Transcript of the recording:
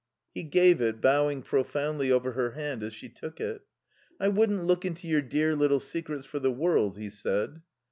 He gave it, bowing profoundly over her hand as she took it. "I wouldn't look into your dear little secrets for the world," he said.